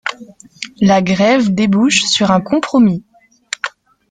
La grève débouche sur un compromis.